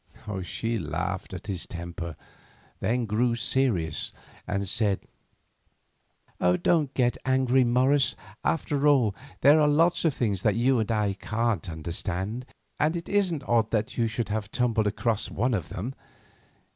She laughed at his temper; then grew serious, and said: "Don't get angry, Morris. After all, there are lots of things that you and I can't understand, and it isn't odd that you should have tumbled across one of them.